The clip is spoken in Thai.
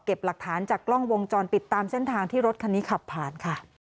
หลักฐานจากกล้องวงจรปิดตามเส้นทางที่รถคันนี้ขับผ่านค่ะ